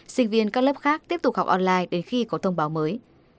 sinh viên các lớp khác tiếp tục học online đến khi có thông báo mới